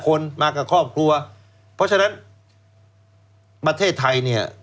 คนมากับครอบครัวเพราะฉะนั้นประเทศไทยเนี่ย